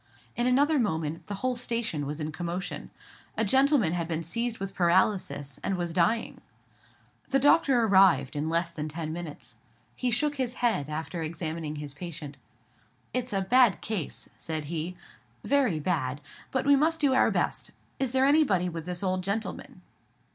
In another moment the whole station was in commotion. A gentleman had been seized with paralysis, and was dying. The doctor arrived in less than ten minutes. He shook his head, after examining his patient. "It's a bad case," said he; "very bad; but we must do our best. Is there anybody with this old gentleman?"